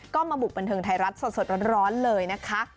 ก็มาบุกบันเทิงไทยรัฐสดร้อนเลยนะคะ